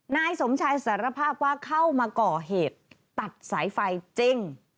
นายสมชายสารภาพว่าเข้ามาก่อเหตุตัดสายไฟจริง